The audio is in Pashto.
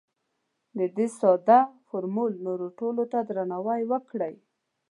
د دې ساده فورمول نورو ټولو ته درناوی وکړئ.